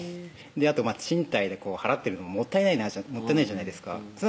あと賃貸で払ってるのももったいないじゃないですか